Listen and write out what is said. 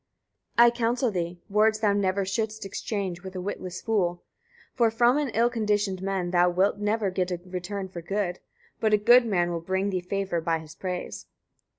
124. I counsel thee, etc. Words thou never shouldst exchange with a witless fool; 125. For from an ill conditioned man thou wilt never get a return for good; but a good man will bring thee favour by his praise.